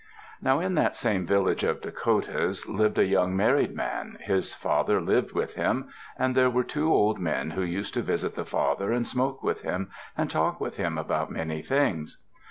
Now in that same village of Dakotas lived a young married man. His father lived with him, and there were two old men who used to visit the father and smoke with him, and talk with him about many things.